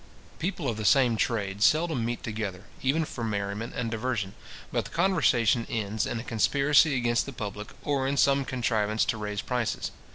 People of the same trade seldom meet together, even for merriment and diversion, but the conversation ends in a conspiracy against the public, or in some contrivance to raise prices.